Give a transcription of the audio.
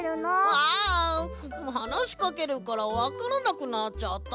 あはなしかけるからわからなくなっちゃった。